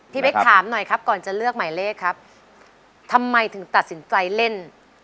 เป๊กถามหน่อยครับก่อนจะเลือกหมายเลขครับทำไมถึงตัดสินใจเล่น